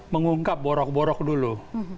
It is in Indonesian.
mengungkap borok borok dulu